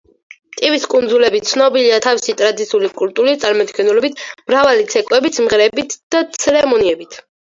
ტივის კუნძულები ცნობილია თავისი ტრადიციული კულტურით, წარმომადგენლობითი მრავალი ცეკვებით, სიმღერებით და ცერემონიებით.